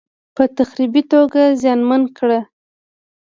په تخریبي توګه زیانمن کړ.